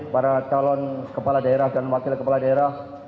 para calon kepala daerah dan wakil kepala daerah